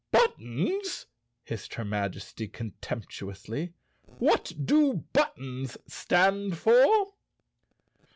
"Buttons!" hissed her Majesty contemptuously. "What do buttons stand for?"